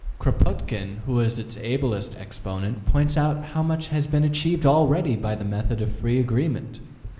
Kropotkin, who is its ablest exponent, points out how much has been achieved already by the method of free agreement.